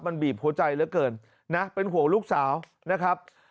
มันบีบหัวใจเหลือเกินนะเป็นห่วงลูกสาวนะครับ